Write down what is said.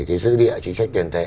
thì giữ địa chính sách tiền tệ